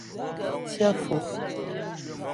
Tsyə́ Fò.